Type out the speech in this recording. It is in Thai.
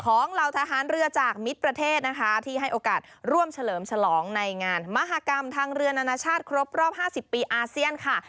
เหล่าทหารเรือจากมิตรประเทศนะคะที่ให้โอกาสร่วมเฉลิมฉลองในงานมหากรรมทางเรือนานาชาติครบรอบ๕๐ปีอาเซียนค่ะ